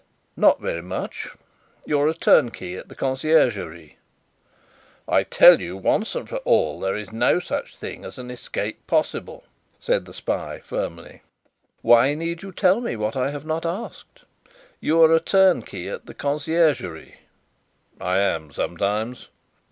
"Not very much. You are a turnkey at the Conciergerie?" "I tell you once for all, there is no such thing as an escape possible," said the spy, firmly. "Why need you tell me what I have not asked? You are a turnkey at the Conciergerie?" "I am sometimes."